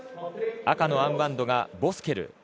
赤のアームバンドがボスケル。